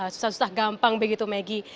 susah susah gampang begitu maggie